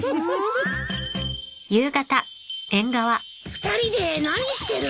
２人で何してるの？